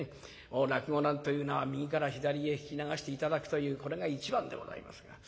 もう落語なんというのは右から左へ聞き流して頂くというこれが一番でございますが。